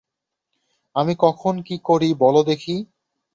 আমি কখন কী করি বলো দেখি।